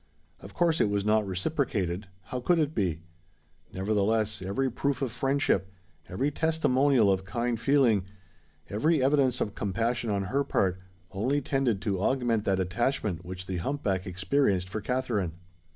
Of course it was not reciprocated:—how could it be? Nevertheless, every proof of friendship—every testimonial of kind feeling—every evidence of compassion on her part, only tended to augment that attachment which the hump back experienced for Katherine.